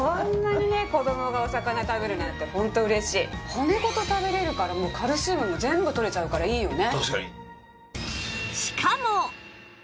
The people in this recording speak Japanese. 骨ごと食べれるからカルシウムも全部取れちゃうからいいよね。